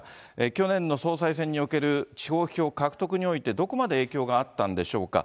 去年の総裁選における地方票獲得において、どこまで影響があったんでしょうか。